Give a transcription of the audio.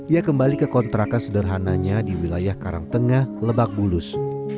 ia kembali ke kontrakan sederhananya di wilayah karangtengah lebak bulus